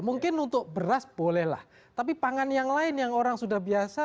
mungkin untuk beras bolehlah tapi pangan yang lain yang orang sudah biasa